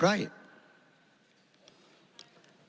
ประกาศข้ามการประดูกที่ดินเพื่อการเกษตรครับ